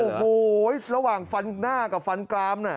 โอ้โหระหว่างฟันหน้ากับฟันกรามน่ะ